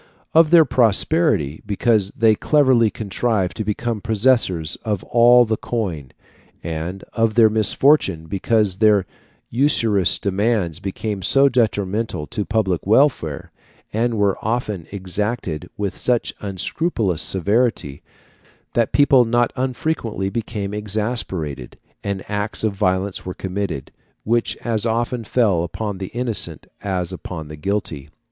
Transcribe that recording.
Of their prosperity, because they cleverly contrived to become possessors of all the coin; and of their misfortune, because their usurious demands became so detrimental to the public welfare, and were often exacted with such unscrupulous severity, that people not unfrequently became exasperated, and acts of violence were committed, which as often fell upon the innocent as upon the guilty.